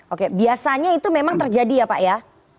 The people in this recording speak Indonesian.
oke biasanya itu memang terjadi ya pak ya